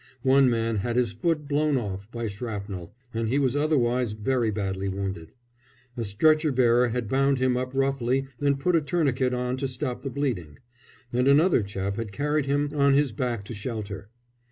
One man had his foot blown off by shrapnel, and he was otherwise very badly wounded. A stretcher bearer had bound him up roughly and put a tourniquet on to stop the bleeding; and another chap had carried him on his back to shelter.